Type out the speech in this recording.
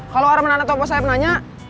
kalau arah menanah atau apa saya menanya